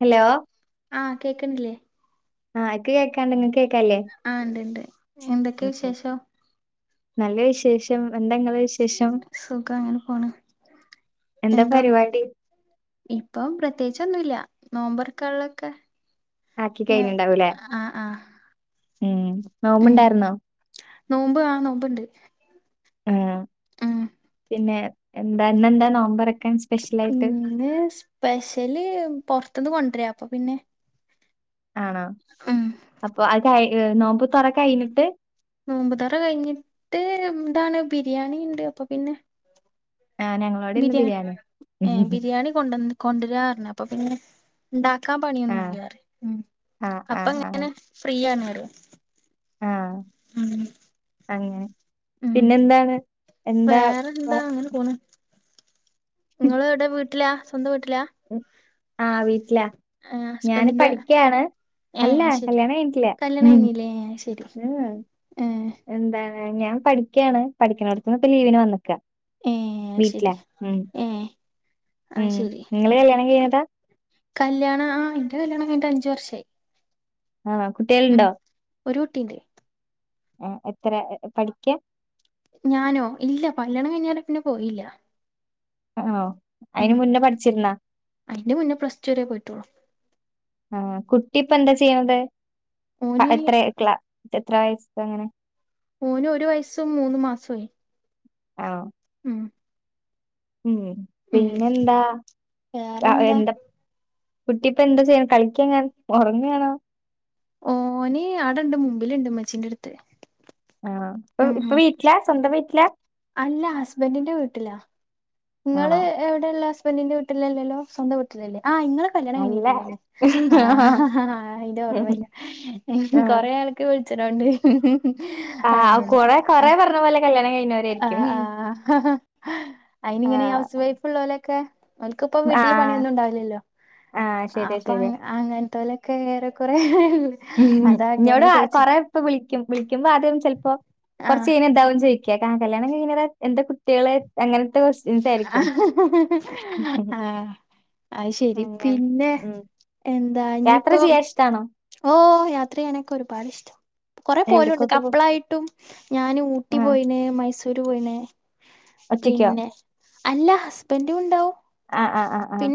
Hello ആ കേക്ക്‌ണില്ലേ ആ ഇക്ക് കേക്കാണ്ട് ഇങ്ങക്ക്‌ ആ ഇണ്ട് ഇണ്ട് എന്തക്കെ ഉം വിശേഷം നല്ല വിശേഷം എന്താ ഇങ്ങളെ വിശേഷം [inaudible] സുഖം ങ്ങനെ പോണ് എന്താ എന്താന്ന് പരിപാടി ഇപ്പം പ്രത്യേകിച്ചൊന്നുല്ല നോമ്പർക്കാള്ളക്കെ ആക്കി കഴിഞ്ഞിണ്ടാവു ലേ മ്മ് മ്മ് നോമ്പ് ആ നോമ്പ്ണ്ട് ആ [unintelligible] പിന്നെ എന്താ ഇന്ന് എന്താ നോമ്പറ ഇന്ന് സ്പെഷല് പൊർത്ത്ന്ന് കൊണ്ടരാ അപ്പൊ പിന്നെ ആണോ ഉം അപ്പൊ [unintelligible] നോമ്പ് തൊറ കഴിഞ്ഞിട്ട് നോമ്പുതൊറ കഴിഞ്ഞിട്ട് എന്താണ് ബിരിയാണി ഇണ്ട് അപ്പൊ പിന്നെ ആ ഞങ്ങളോടെ ഇന്ന് ബിരിയാണി ഏ ബിരിയാണി കൊടന്ന് കൊണ്ടര പറഞ്ഞു അപ്പൊ പിന്നെ ഇണ്ടാ ക്കാ പണിയൊന്നും ആഹ് ഇല്ലാറിയും ഉം ആഹ് അപ്പ ആഹ് എങ്ങനെ ഫ്രീ ആണ് വരോ അ ആ അങ്ങനെ ഉം പിന്നെ എന്താണ് എന്താ വേറെന്താ വ ഇങ്ങള് എവ് ടാ വീട്ട് ലാ സ്വന്തം വീട്ട് ലാ ആ വീട്ട് ലാ ഞാന് ഹസ്ബൻഡിന്റെ പഠിക്കാണ് ഏ അല്ല അത് ശരി കല്യാണം കല്യാണം കഴിഞ്ട്ടില്ലഉം കഴിഞ്ഞില്ലേ അത് ശരി [unintelligible] ഏ എന്തേ ഞാൻ പഠിക്കാണ് പഠിക്കിണോടത്ത്ന്ന് ഇപ്പ ലീവിന് വന്ന്ക്ക ഏ അത് വീട്ട്ലാ ശരി ഉം മ് ഏ മ്മ് ഇങ്ങള് കല്യാണം കഴിഞ്ഞതാ കല്യാണ ആ ഇന്റെ കല്യാണം കഴിഞ്ഞിട്ട് അഞ്ച് വർഷായി ആ കുട്ട്യേള് ഉം ണ്ടോ ഒരു കുട്ടിണ്ട് ആ എത്ര [unintelligible] പഠിക്ക ഞാനോ ഇല്ല പല്യാണം കഴിഞ്ഞാരേ പിന്നെ പോയില്ല ഒ ഓ അയിന് ഉം മുന്നേ പഠിച്ചിരുന്നാ അയിന്റെ മുന്നേ പ്ലസ് ടു വരെ പോയിട്ടുള്ളു അ ആ കുട്ടിപ്പ എന്താ ചെയ്യണത് പ ഓന് എത്ര ക്ല എത്ര വയസ്സ ങ്ങനെ ഓന് ഒരു വയസ്സും മൂന്ന് മാസ്സു ആയി ആണോ മ്മ് മ്മ് പിന്നെ എന്താ വേറെന്താ [unintelligible] കുട്ടി ഇപ്പൊ എന്താ ചെയ്യ്ണ് കളിക്കങ്ങാൻ ഒറങ്ങാണോ ഓൻ ആടെണ്ട് മുമ്പിൽ ണ്ട് ഉമ്മ ച്ചീന്റെ ട്ത്ത് ആണോ ഇപ്പ ഇപ്പ വീട്ട് ലാ സ്വന്തം വീട്ട് ലാ അല്ല ഹസ്ബന്റിന്റെ വീട്ട് ലാ ങ്ങള് ആണോ എവിടെള്ള സ്ബന്റിന്റെ വീട്ടിലല്ലോ സ്വന്ത വിട്ടിലല്ലേ ആ ഇങ്ങെളേ കല്യാണം നല്ല കഴിഞ്ഞിട്ടില്ലല്ലേ ആ ആ ഹാ ഹാ അതിന്റെ ഓർമ ഇല്ല മ് ആ ഹ് കൊറെേ ആൾക്ക് വി അച്ചനു വായിണ്ട് [unintelligible] ആഹ് കൊറെ കൊറെേ പറഞ്ഞ പോലെ കല്യാണം കഴി ആ ആ ഹ്അയിനി ഇങ്ങനെ ഹൗസ് ആഹ് വൈഫ് ഉള്ള പോലെൊക്കെ നിനക്കിപ്പ വീട്ടില് ആഹ് പണിയൊന്നും ഉണ്ടാവില്ലല്ലോ ആഹ് ശരിയാ അപ്പൊ അ ശരിയാ അങ്ങനത്തോലൊക്കെ ഏറെ കൊറെ ഉ ഇന്നോട് കൊറെ ഇപ്പ വിളിക്കും വിളിക്കുമ്പോ ആദ്യം ചിലപ്പോ ആ കൊറച്ച് ഇനി എന്താവും ചെയും കല്യാണം ഇങ്ങനെ എന്താ കുട്ടികളെ അങ്ങനെ ആഹ അഹ് ആ അത് ശരി അങ്ങനെ പിന്നെ ഉം എന്താ യാത്ര ഇനിയിപ്പൊ ചെയ്യാൻ ഇഷ്ടാണോ ഓ യാത്ര എനക്ക് ഒരുപാട് ഇഷ്ടം കൊറെ പോയിണ്ട് എവിടക്കൊക്കെ പോ കപ്പളായിട്ടും ഞാന് ഊട്ടി ആഹ് പോയിന് മൈസൂര് പോയിന് ഒറ്റയ്ക്കോ പിന്നെ അല്ല ഹസ്ബൻറും ഉണ്ടാവും ആഹ ആഹ് ആഹ് ആഹ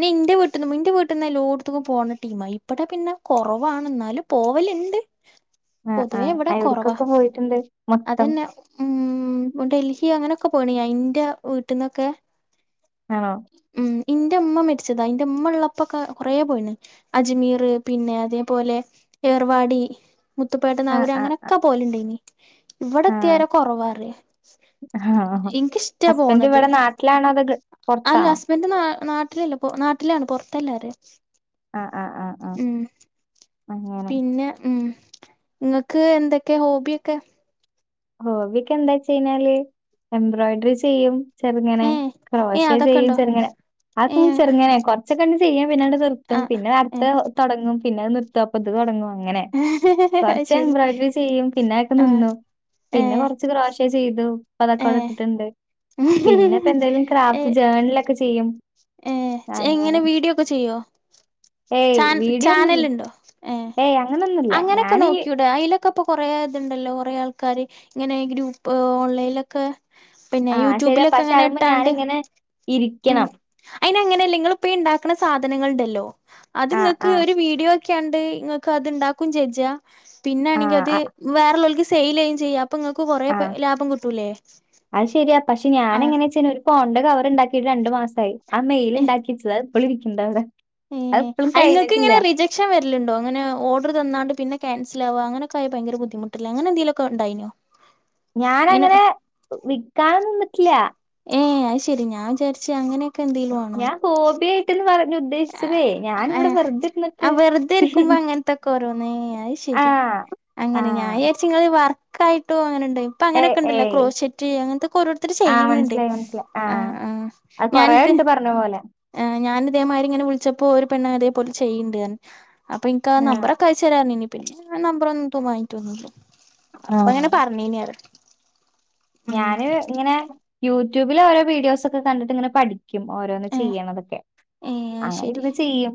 എന്റെ വീട്ടിൽന്നല്ലോ എല്ലോടത് ത്തുംക്കും പോകണ ടീം ഇവടെ പിന്നെ കുറവാണ് എന്നാലും പോവലുണ്ട് ആഹ് ആഹ് പൊതുവേ ഇവിടെ ആഹ് കുറവാ എവിടക്കൊക്കെ പോയിട്ടുണ്ട് മൊത്തം അതന്നെ ഉ ഉ ഡൽഹി അങ്ങനെയൊക്കെ പോയിണ ഞാൻ ഇന്റെ വീട്ടിൽന്നൊക്കെ ആണോ ഇന്റെ ഉമ്മ മരിച്ചതാ എന്റെ ഉമ്മ ഉള്ളപ്പോൊക്കെ കൊറ പോയിണ് അജ്മീർ പിന്നെ അത തുപോലെ ഏർവാടി മുത്തുപേട്ട ആഹ് നാഗൂരം ആഹ് അങ്ങനെയൊക്കെ പോലെുണ്ട് ഇനി ഇവിടെത്തിയാല കൊറവാ ആഹ് ആഹ് എനിഷട്ടാ ഹസ്ബൻഡ് പോണത് ഇവിടെ നാട്ടിലാണോ അതോ അല്ല പൊറത്താണോ ഹസ്ബൻഡ് നാ നാട്ട നാട്ടിലല്ല നാട്ടിലാണ് പുറത്തല്ലാര് ആഹ് ആഹ് ആഹ് ആഹ് ഉ അങ്ങനെ പിന്നെ ഉം നിങ്ങൾക്ക് എന്തൊക്കെ ഹോബിയൊക്കെ ഹോബിയക്കെ എന്താച്ചിഞ്ഞാല് എംബ്രോയിഡറി ചെയ്യും ചെറിങ്ങനെ ഏ ഏ ക്രോശ അതൊക്കെ ചെയ്യും ഇണ്ടോ ചെറിങ്ങനെ ഏ ആക്ക ചെറുങ്ങനെ കൊറച്ചൊക്കെ അങ്ങ്ചെയ്യാൻ പിന്നെ അണ്ട് ആ നിർത്തും പിന്നെ ഏ അടുത്ത് തുടങ്ങും പിന്നെ അത് നിർത്തപ്പ തുടങ്ങും അങ്ങനെ അത് കുറച്ച് ശരി എംബ്രോയിഡറി ചെയ്യും പിന്നെ ഒക്കെ ആ നിന്നു ഏ പിന്നെ കൊറച്ച് ക്രോശ ചെയ്തു ഏ പതൊക്കെടെ ഇത്തിട്ടുണ്ട് പിന്നെ ഇപ്പ എന്തായാലും ക്രാഫ്റ്റ് ജേണല ഒക്കെ ഏർ എങ്ങനെ വീഡിയോ ഒക്കെ ചെയ്യോ ഏയ് ച വീഡിയോ ഒന്നുല്ല. ചാനല ഉണ്ടോ ഏ ഏയ് അങ്ങനൊന്നുല്ല അങ്ങനെയൊക്കെ ഞാനീ നോക്കിട അതിലൊെ ഇപ്പൊ കൊറേ ഇതുണ്ടല്ലോ കൊറേ ആൾക്കാര് ഇങ്ങനെ ഗ്രൂപ്പ് ഓൺലൈനിലൊക്കെ പിന്നെ ആഹ് ശരിയാ യൂട്യൂബിലൊക്കെ പക്ഷെ എങ്ങനെ അത്മ്മെ ഇട്ടാണ്ട് ഞാനിങ്ങനെ ഉ ഇരിക്കണം. അതി ഇങ്ങനഅല്ല നിങ്ങൾ ഇപ്പയി ഉണ്ടാക്കണ സാധനങ്ങൾ ഉണ്ടല്ലോ അത് ആഹ് നിങ്ങക്ക് ആഹ് ഒരു വീഡിയോ ഉണ്ടാകുകയും ചെയ്യാ പിന്നൊണെങ്കിൽ ആഹ് അത് വേറ ഉളവർക്ക് സെയിൽ ചെയുകയുംചെയ്യാം ആഹ അത് ശരിയാ പക്ഷെ ഞാന ആഹ് എങ്ങനെ ന്ന്ച്ചപ്പ ഉണ്ടെ അവർണ്ടാക്കിട്ട് രണ്ടു മാസ ആായി ആ മെയിൽഉണ്ടാക്കിട്ടത് ഇപ്പോളി ഇരിക്കണ്ട അവിടെ അത് ഇപ്പളും ഇങ്ങൾക്ക് കഴിഞ്ഞിട്ടില്ല. ഇങ്ങനെ റിജക്ഷൻ വരിലുണ്ടോ അങ്ങനെ ഓർഡർ തന്നാണ്ട് പിന്നെ ക്യാൻസിൽ ആവുക അങ്ങനൊക്കെയായല് ഭയങ്കര ബുദ്ധിമുട്ടല്ലേ അങ്ങനെ എന്തങ്കിലൊക്ക ഉണ്ടായിനോ? ഞാനങ്ങനെ വിക്കാന നിന്നിട്ടില്ല ഏയ് അത് ശെരി ഞാൻ വിചാരിച്ച അങ്ങനെയൊക്കെ എന്തെേിലും ആണോ? ഞാൻ ഹോബിയായിട്ട്ന്ന് പറഞ്ഞ് ഉദ്ദേശിച്ചതേ ഞാനിവിടെ വെറുതെ ഇരുന്നിട്ട് വെറുതെരിക്കുമ്പോ അങ്ങനത്തെഒക്കെ ഓരോന്നു ശരി ആഹ്. അങ്ങനെ ഞാൻ ആഹ്. വിചാരിച്ചു വർക്കായിട്ടോ അങ്ങനെ ഏയ് അങ്ങനൊക്കെ ഉണ്ടല്ലോ ഏയ്. ക്രൗ സെറ്റ് അങ്ങനക്കെ ഓരോരുത്തരു ആഹ് ചെയണ്ട് മനസ്സിലായി ഉണ്ട് പറഞ്ഞ പോലെ ആ് ഞാനൻ ഇതേമാതിരി ഇങ്ങനെ വിളിച്ചപ്പോ ഒരു പെണ്ണ അതേപല ചെയ്യണ്ട അപ്പൊ എനിക്ക് ആ ആഹ്. നമ്പറൊക്കെ അയച്ചു തരാന്നു പറഞ്ഞെന് പിന്നെ ഞ നമ്പർ ഒന്നും വങ്ങട്ട് വന്നല്ലു അപ്പൊ ആഹ്. ഞങ്ങനെ പറഞ്ഞീന അ ഞാന് ഇങ്ങനെ യൂട്യൂബില ഓരോ വീഡിയോസ ഒക്കെ കണ്ടിട്ട് ഇങ്ങനെ പഠിക്ക ഓരോന്ന് ഏഹ് ചെയ്യണതൊക്കെ ഏഹ് അത് അങ്ങനെ ശെരി ഇത് ചെയ്യും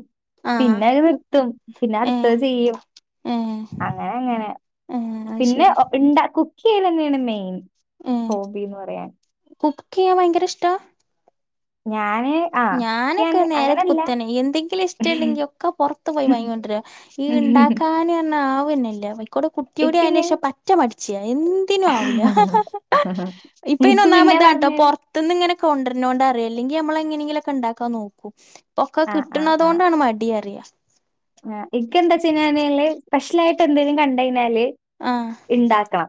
ആഹ് പിന്നെത് നിർത്തും പിന്നെ ഏഹ് അടുത്തത് ചെയ്യും. ഏഹ് അങ്ങനെ അങ്ങനെ ഏഹ് അത് പിന്നെ ശെരി ഇണ്ടാക്കും. കുക്കിയിൽ തന്നെയാണ് മെയിൻ ഏഹ് ഹോബിന്ന് പറയാൻ. കുക്ക് ചെയ്യാൻ ഭയങ്കര ഇഷ്ട? ഞാൻ ആഹ് ഞാനൊക്കെ നേര അങ്ങനല്ല. കുത്തനെ എന്തെങ്കിലും ഇഷ്ടംണ്ടെങ്കിൽ ഒക്കെ പുറത്തു പോയി വാങ്ങോണ്ടുവര ഈ ഉണ്ടാക്കാനന്ന ആവന്നില്ല ഇക്കൂടെ കുട്ടിയ കൂടി അയിനി ഇക്കിങ്ങനെ ശേഷം പറ്റ മടി എന്തിനും ആവൂല ആഹ ഹ ഇപ്പ ഇനി ഇക്ക് പിന്നെ ഒന്നാമത്ാട്ടോ പറഞ്ഞേരാ പുറത്തന്ന്ും ഇങ്ങനെ കൊണ്ടുവരന്നോണ്ട അല്ലെങ്കിൽ നമ്മള എങ്ങനെയെങ്കിലു ഒക്കെ ഉണ്ടാക്കാൻ നോക്ക ഇപൊക്കെ കിട്ടണത കൊണ്ടാണ് മടിന്ന് പറയ ആ ഇക്കെന്താച്ചാനേെ സ്പെഷ്യൽ ആയിട്ട് എന്തേലും കണ്ട കഴിഞ്ഞാല് ആഹ ഇണ്ടാക്കണം.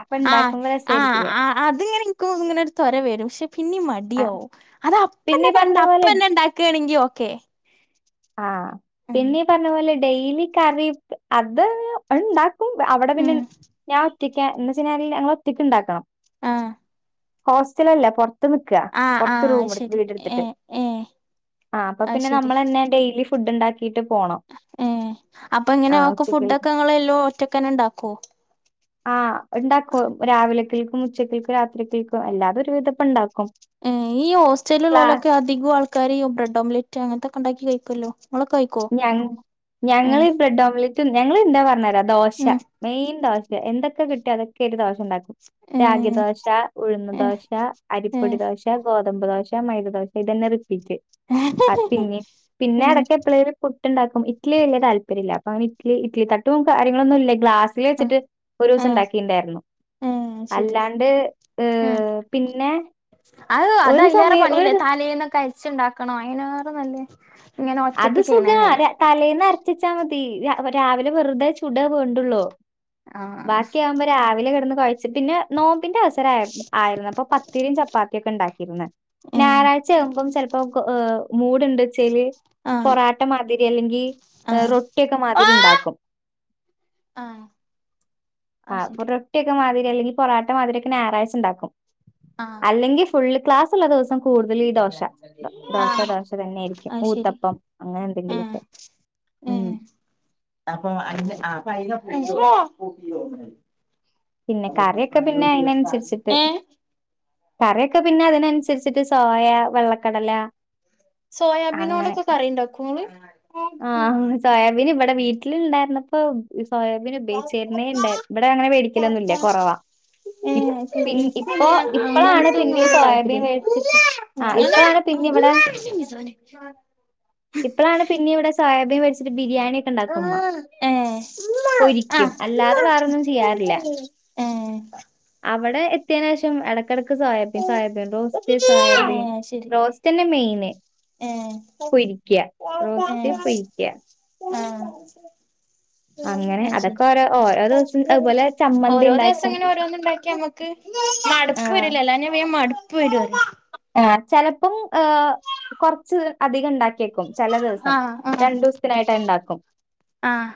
അപ്പൊ ആഹ്! ഇണ്ടാക്കുമ്പോ ആ് രസായിരിക്കില്ലേ? ആ അത്ങ്ങനെ എനിക്കു ഇങ്ങനെ ഒരു ത്വര വരും പക്ഷെ പിന്നീ ആഹ് മടിയവും. അത് പിന്നെ അപ്പന്നെ ഈ കണ്ട പറഞ്ഞ പോലെ അപ്പന്നെ ഉണ്ടാക്കയാണെങ്കി ഓക്കെ. ആഹ ഉം പിന്നീ പറഞ്ഞ പോലെ ഡെയിലി കറി അത് ഉണ്ടാ ക്കും അവിടെ പിന്നെ ഉം ഞാൻ ഒറ്റക്കാ എന്നന്ന് വച്ചാൽ ഞങ്ങൾ ഒറ്റക്ക ഉണ്ടാക്കണം. ആഹ ഹോസ്റ്റല അല്ലേ അപ്പ പുറത്ത് നിക്ക പുറത്ത് ആഹ് റൂ അത് ശരി വീടുത്തിട്ട് ഏഹ് ഏഹ് ആ് അപ്പൊ അത് പിന്നെ ശരി നമ്മൾന്നെ ഡെയിലി ഫുഡ് ഉണ്ടാക്കിട്ട് പോണം. ഏഹ് അപ്പൊ ആ ഇങ്ങനെക്ക ഉച്ചക്ക് ഫുഡ ഒക്കെങ്ങ എല്ലോ ഒറ്റക്കനെ ഉണ്ടാക്കോ? ആഹ് ഉണ്ടാക്കും രാവിലെക്കൾക്കും ഉച്ചക്കൾക്കും രാത്രിക്കൾക്കും അല്ലാതെ ഒരു വിധപ്പ ഉണ്ടാക്കും. ഏ ഈ ഹോസ്റ്റലിൽ ക്ലാ ഉള്ളലൊക്കെ അധികം ആൾക്കാര് ബ്രെഡ് ഓംലെറ്റ് അങ്ങനത്തെൊക്കെ ഉണ്ടാക്കി കഴിക്കുമല്ലോ. ഞ ഞങ്ങള് ബ്രെഡ് ഓംലറ്റ് ഞങ്ങൾ എന്താ പറഞ്ഞ തരാ ദോശ ഉം മെയിൻ ദോശ എന്തൊക്കെ കിട്ടി അതൊക്ക ഒരു ഉണ്ടാക്കും റാഗി ഏഹ് ദോശ ഉഴുന്ന് ഏഹ് ദോശ അരിപ്പൊടി ഏഹ് ദോശ ഗോ തമ്പദോശ മൈദദോശ ഇതന്നെ റിപ്പീറ്റ് പിന്ന പിന്നെ ഏഹ് ഇടക്ക എപ്പഴലും ഇട്ടുണ്ടാക്കും ഇറ്റ്ലി വല തല്പര്യമില്ല അപ്പ അന ഇല ഇറ്റ്ലിട്ടും കാര്യങ്ങളൊന്നുമ ഇ ഗ്ലാസ്സിൽ ആഹ് വെച്ചിട്ട് ഒരു ദിവസം ഏഹ് ഉണ്ടാക്കിയിുണ്ടായിരുന്നു. ഏഹ് ശരി അല്ലാണ്ട് ഉം ഏർ പിന്നെ അത് അത ഒരു അതിലേറെ സമയം ഒരു പണില്ലേ തലെന്നുന്നൊക്കെ അരി ച്ച്ണ്ടാക്കണ അയിന് റെന്നല്ലേ അത് സുഖമാ തലേന്ന് അരച്ചച്ചാൽ മതി രാവിലെ വെറുതെ ചു ചുടെ വേണ്ടുള്ളു ആഹ് ബാക്കി ആവുമ്പോ രാവിലെ കിടന്നു. പിന്നെ നോമ്പിന്റെ അവസര ആയിരുന്നു അപ്പൊ പത്തിരിയും ചപ്പാത്തിയൊക്കെ ഉണ്ടാക്കിയിരന്ന്. ഏഹ് ഞായറാഴചയാകുമ്പം ചിലപ്പോ് മൂട്ണ്ട്ച്ചേല് ആഹ് പൊറോട്ട മാതിരി അല്ലെങ്കി ആഹ് റൊട്ടിയൊക്കെ മാതിരി ഉണ്ടാക്കും. ആഹ് ആ അത് ശരി റൊട്ടി യൊക്കെ മാതിരി അല്ലെങ്കിൽ പൊറോട്ട മാതിരിയൊക്കെ ഞായറാഴ്ച ഉണ്ടാക്കും ആഹ് അല്ലെങ്കിൽ ഫുൾ ക്ലാസ്സ്‌ ല ദിവസം കൂടുതൽ ഈ ദോശ ദോശ ദോശ തന്നെയായിയിരിക്കും ഊത്ത ഉം ഉം അപ്പൊ അ അപ്പൊ അയ്നൊക്കെ [inaudible] പിന്നെ കറിയൊക്കെ പിന്നെ അയിനനുസരിച്ചിട്ട് ഏഹ് കറിയൊക്കെ പിന്നെ അതിനനുസരിച്ചിട്ട് സോയ, വെള്ളക്കടല അങ്ങനെ സോയാബീനോടൊക്കെ കറി ഇണ്ടാക്കോ ഇങ്ങള് ആഹ സോയാബീൻ ഇവിടെ വീട്ടിൽ വീട്ടിൽ ഉണ്ടായിരുന്നപ്പം സോയാബീൻ ഉപയോഗിച്ചിരുന്നേണ്ട ഇവിടെ അങ്ങനെ വേടിക്കലൊന്നുല്ല കുറവാ ഏഹ് അത് ഇപ്പ ശരി ഇൻക്ക് പിന്നെ ഇപ്പം ഇപ്പളാണ് അങ്ങൻത്തൊന്നും പിന്നിം വല്യ സോയാബീൻ താല്പര്യല്ല വേടിച്ചിട്ട് ആ ഇപ്പളാണ് പിന്നെ ഇവിടെ [inaudible] ഇപ്പളാണ് പിന്നിം ഇവിടെ സ ആ ഏ ആ പൊരിക്കും അല്ലാതെ വേറൊന്നും ചെയ്യാറില്ല. [unintelligible] ഏ ഇവടെ എത്തിയയ്നേഷം എട ഇടക്ക് സോയാബീൻ, സോയാബീൻ റോസ്റ്റ്‌, സോയാബീൻ ഏഹ് ശരി റോസ്റ്റ് എന്നെ മെയിന് ഏഹ് പൊരിക്ക റോസ്റ്റ് പൊരിക്കാ ആഹ [inaudible] അയ് ശരി അതൊക്കെ ഓരോ ഓരോ ദിവസം അതുപോലെ ചമ്മന്തി ഓരോ ദിവസം ഉണ്ടാക്കും ഇങ്ങനെ ഓരോന്ന് ഇണ്ടാക്കിയ നമുക്ക് മടുപ്പ് ആഹ് വരല്ലല്ലോ അല്ലാഞ്ഞ വേ മടുപ്പ് വരുല്ലോ ആ ചെലപ്പം ഹ് കൊറച്ച് അധികം ഉണ്ടാക്കിയേക്കും ചെല ദിവസം ആഹ് ആഹ് രണ്ടു ദിവസത്തിനായിട്ട് ഉണ്ടാക്കും ആഹ്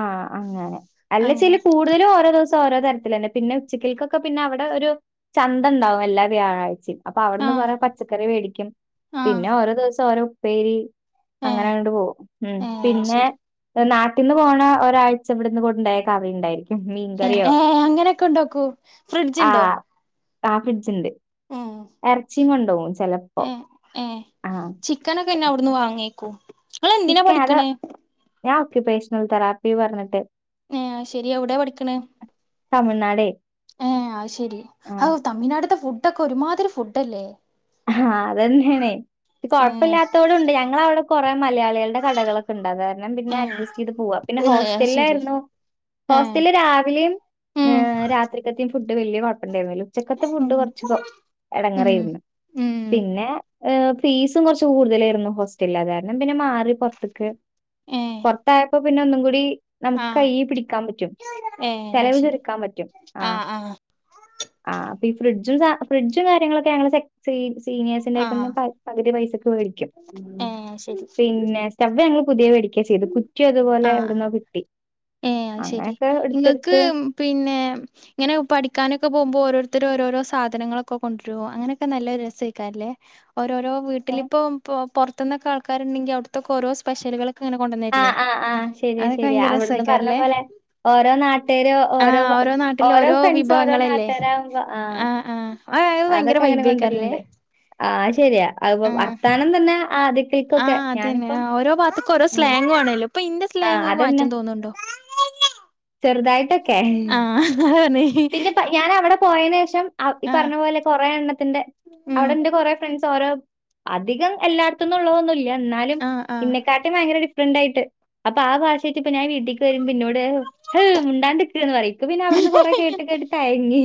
ആഹ അങ്ങനെ അല്ലെച്ച അങ്ങനെ കൂടുതലും ഓരോ ദിവസം ഓരോ തരത്തിലന്നെ പിന്നെ ഉച്ചക്കേക്കൊക്കെ പിന്നെ അവിടെ ഒരു ചന്ത ഉണ്ടാവും എല്ലാ വ്യാഴാഴ്ചയും അപ്പൊ അവിടുന്ന് ആഹ് കൊറെ പച്ചക്കറി വേടിക്കും ആഹ് പിന്നെ ഓരോ ദിവസം ഓരോ ഉപ്പേരി ഏ അങ്ങനെ അങ്ങോട്ട് പോകും ഉം ഏ പിന്നെ ശരി നാട്ടിൽന്ന് പോണ ഒരാഴ്ച ഇവിടുന്ന് ഉണ്ടായ കറിയുണ്ടായിരിക്കും ഏ ഏ അങ്ങനെയൊക്കെ ഉണ്ടാക്കോ ഫ്രിഡ്ജ് ആ ഉണ്ടോ ആ ഫ്രിഡ്ജ്ണ്ട് എറച്ചിയും കൊണ്ടു പോവും ഏ ഏ ചിക്കനൊക്കെ പിന്നെ അവിടുന്ന് വാങ്ങേക്കും ങ്ങള എന്തിനാ ചിക്കൻ അത് പഠിക്കണേ ഞാൻ ഓക്യുപേഷണൽ തെറാപ്പി പറഞ്ഞിട്ട് ഏ അയ് ശരി എവിടെയാ പഠിക്കണ തമിഴ്നാടെ ഏ അയ്ശെരി അ തമിഴ്നാടുത്തെ ഫുഡൊക്കെ ഒരുമാതിരി ഫുഡ്ല്ലേ ആഹ അതന്നെണേ കൊഴപ്പല്ല്യാത്തോലുണ്ട് ഞങ്ങൾ അവിടെ കുറെ മലയാളികളുടെ കടകളൊക്കെ ഉണ്ട് അത് കാരണം പിന്നെ ഏ അഡ്ജസ്റ്റ് ചെയ്ത് പോവാം പിന്നെ ഏ അത് ശരി ഹോസ്റ്റലിലായിരുന്നു ഏ ഹോസ്റ്റലിൽ രാവിലെയും ഉം രാത്രി കത്തേയും ഫുഡ് വലിയ കുഴപ്പണ്ടായിരുന്നില്ല ഉച്ചക്കത്തെ ഉം ഫുഡ് കുറച്ച് ഉം എടങ്ങറായിരുന്നു ഉം പിന്നെ അ ഫീസും കുറച്ച് കൂടുതലായിരുന്നു ഹോസ്റ്റലിൽ അത് കാരണം പിന്നെ മാറി പുറത്ത്ക്ക് ഏ പുറത്തായപ്പോ പിന്നെ ഒന്നും കൂടി നമുക്ക് ആ കൈ പിടിക്കാൻ പറ്റും ഏ അത് ചെലവ് ശരി ചുരുക്കാൻ പറ്റും ആ ആഹ പി ഫ്രിജ ഫ്രിഡ്ജ്ജും സ ഫ്രിഡ്ജും കാര്യങ്ങളൊക്കെ ഞങ്ങള് സീനി സീനിയേഴ്സിന്റെ ആ [unintelligible] പകുതി പൈസക്ക് മേടിച്ചു ഏ ശരി പിന്നെ സ്റ്റവ്വ് ഞങ്ങൾ പുതിയ വേടി ക്കെ ചെയ്തു കുറ്റി അതുപോലെ എവിട്ന്നോ കിട്ടി ഏ അയ് ശെരി അങ്ങനെയൊക്കെ നിങ്ങക്ക് എടുത്തെടുത്ത് പിന്നെ ഇങ്ങനെ പഠിക്കാനൊക്കെ പോകുമ്പോൾ ഓരോരുത്ത ത്തരോഓരോരോ സാധനങ്ങളൊക്കെ കൊണ്ട്‌രും അങ്ങനെയൊക്കെ നല്ല രസയിക്കാരംല്ലേ ഓരോരോ ഏ വീട്ടിലി ഇപ്പം പുറത്ത് നിന്നൊക്കെ ആൾക്കാരുണ്ടെങ്കിൽ അവിടുത്തൊക്കെ ഓരോ സ്പെഷ്യലുകൾ ആ ആഹ് ആഹ് ശരിയാ ശരിയാ ഭയങ്കര അവിടുന്ന് പറഞ്ഞ രസേക്കാരല്ലേ? പോലെ ഓരോ നാട്ടുകാരു ഓരോ ആഹ് നാട്ടിലും ഓരോ ഫ്രണ്ട്സ് ഓരോ വിഭവങ്ങളല്ലേ? നാട്ട്കാര് ആവുമ്പോ ആഹ് ആഹ് അത് അത് ഭയങ്കര അതൊക്കെ അങ്ങനെ കൊണ്ടരൽണ്ട് ആഹ ശരിയാ അത്പ്പോ ഉ വർത്താനം തന്നെ ആ ആദ്യത്തേക്കൊക്കെ അതന്നെ ഞാനിപ്പം ആ ഓരോ ഭാഗത്തക്ക ഓരോ ആഹ് സ്ലാഗ് ആണേല്ലോ ഇപ്പൊ ഇന്റെ സ്ലാങ് ആഹ് ഇങ്ങക്ക് അതന്നെ മാറ്റാൻ തോന്നുന്നുണ്ടോ ചെറുതായിട്ടൊക്കെ ആഹ അതാ പറഞ്ഞ പിന്നെ ഞാൻ അവിടെ പോയതിന ശേഷം ഈ ആഹ് പറഞ്ഞ പോലെ കൊറെ എണ്ണത്തിന്റെ ഉം അവിടെറെ കൊറെ ഫ്രണ്ട്സ് ഓരോ അധികം എല്ലായിടത്തൊന്നും ഉള്ളതൊന്നുമ ഇല്ല എന്നാലും ആഹ് ഇന്നെക്കാട്ടും ഭയങ്കര ഒരു ണ്ടായിട്ട് അപ്പൊ ആ ഭാഷ ഇപ്പ ഞാൻ വീട്ടേക്ക് വരുമ്പോ ന്നോട് ഹ്ഹഎയ് ആഹ് മുണ്ടാണ്ടിരിക് പറയും. പ്പോ പിന്നെ അവിടന്ന് കൊറ കേട്ട് കേട്ട് തയഞ്ഞി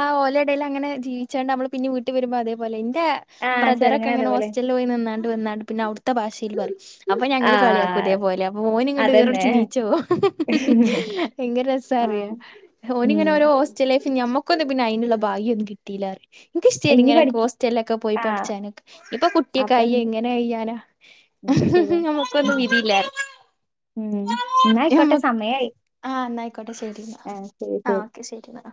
ആഓല ഇടയി അങ്ങെ ജീവിച്ചുകണ്ട് നമ്മള് പിന്ന വീട്ട് വരുമ്പോ അതേപോലെ എൻ്റെ ആ ബ്രദറൊക്കെ ചെറുങ്ങനെ അങ്ങനെ അതേപോലെ ഹോസ്റ്റലിൽ പോയി നിന്നാണ്ട് വന്നാണ്ട് പിന്നെ അവിടുത്തെ ഭാഷയിൽ ആവും അപ്പൊ ആ ഞങ്ങള് കളിയാക്കും. കുതേപോലെ അപ്പൊ ഓൻ ഇങ്ങോ് അതന്നെ ഈറടച്ച് നീച് പോകും. ഹ ഹ ഹ ഭയങ്കര രസം ആ അറിയ ഓനിങ്ങനെ ഉം ഓരോ ഹോസ്റ്റൽ ലൈഫി മ്മക്ക് നമുക്കു ഒന്നും പിന്നെ അതിനുള്ള ഭാഗ്യം കിട്ടയില്ല. എനിക്ക് ഇഷ്ടേ നി ഇനി ഇങ്ങനെ പഠിക്കും ഹോസ്റ്റലിലൊക്കെ പോയി ആ പഠിച്ചാൻ ഇപ്പൊ കുട്ടിയൊക്കെ അപ്പൊ ആയി എന്ത്? എങ്ങനെ കയ്യാനാ ഉം, ശരിയാ നമ്മുക്കൊന്നും വിതിയില്ല പറയാ ഉം ന്നാ ആയിക്കോട്ടെ സമയം ആ ആഹ് എന്നായിക്കോട്ടെ ശരി എന്നാ ആഹ് ഓക്കെ ശരി എന്നാ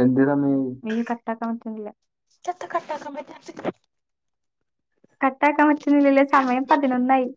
എ മ്മേ കട്ടാക്കാൻ പറ്റുന്നില്ല മുറ്റത്തൊക്കെ [unintelligible] കട്ടാക്കാൻ പറ്റുന്നില്ലില്ല സമയം പതിനൊന്നായി